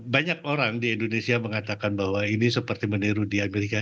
banyak orang di indonesia mengatakan bahwa ini seperti meniru di amerika